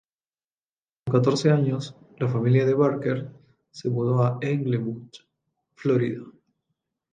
A los catorce años, la familia de Barker se mudó a Englewood, Florida.